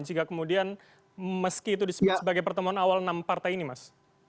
jika kemudian meski itu disebut sebagai pertemuan awal enam partai ini mas